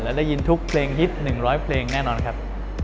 และได้ยินทุกเพลงฮิต๑๐๐เพลงแน่นอนครับ